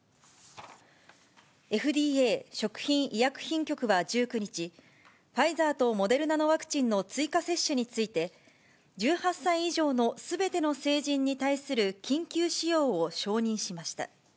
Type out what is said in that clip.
ＦＤＡ・食品医薬品局は１９日、ファイザーとモデルナのワクチンの追加接種について、１８歳以上のすべての成人に対する緊急使用を承認しました。